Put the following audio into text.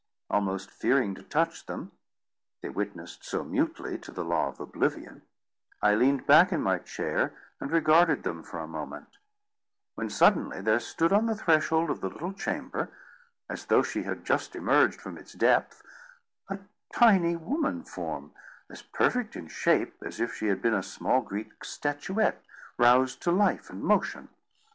Almost fearing to touch them, they witnessed so mutely to the law of oblivion, I leaned back in my chair, and regarded them for a moment; when suddenly there stood on the threshold of the little chamber, as though she had just emerged from its depth, a tiny woman form, as perfect in shape as if she had been a small Greek statuette roused to life and motion.